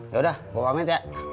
ya udah gua pamit ya